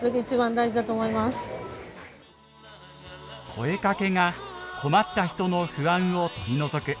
「声かけ」が困った人の不安を取り除く。